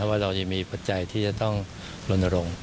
ว่าเรายังมีปัจจัยที่จะต้องลนรงค์